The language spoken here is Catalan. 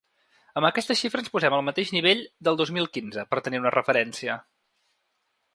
Amb aquesta xifra ens posem al mateix nivell del dos mil quinze, per tenir una referència.